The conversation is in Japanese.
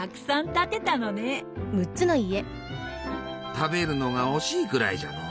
食べるのが惜しいくらいじゃのう。